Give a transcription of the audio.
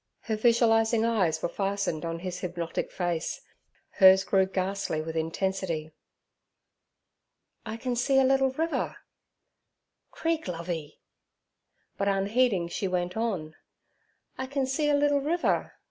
Her visualizing eyes were fastened on his hypnotic face. Hers grew ghastly with intensity. 'I can see a little river.' 'Creek, Lovey.' But, unheeding, she went on: 'I can see a little river.